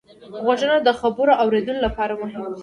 غوږونه د خبرو اورېدلو لپاره مهم دي